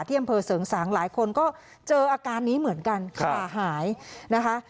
อำเภอเสริงสางหลายคนก็เจออาการนี้เหมือนกันขาหายนะคะ